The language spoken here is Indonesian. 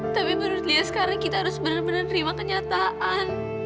tapi menurut lia sekarang kita harus benar benar terima kenyataan